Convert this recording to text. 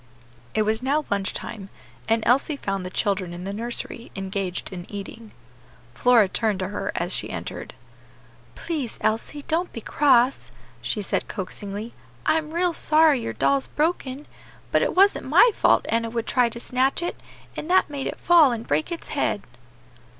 It was now lunch time, and Elsie found the children in the nursery engaged in eating. Flora turned to her as she entered. "Please, Elsie, don't be cross," she said coaxingly: "I am real sorry your doll's broken, but it wasn't my fault Enna would try to snatch it, and that made it fall and break its head."